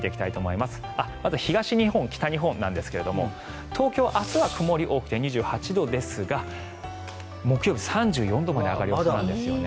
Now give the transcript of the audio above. まず北日本、東日本なんですが東京、明日は曇りが多くて２８度ですが木曜日３４度まで上がるんですよね。